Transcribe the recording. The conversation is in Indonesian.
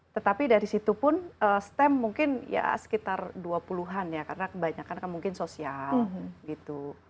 tetapi dari situ pun stem mungkin ya sekitar dua puluh an ya karena kebanyakan mungkin sosial gitu